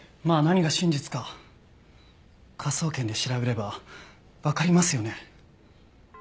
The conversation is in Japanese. まあ何が真実か科捜研で調べればわかりますよね？